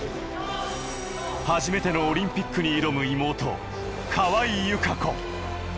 初めてのオリンピックに挑む妹・川井友香子。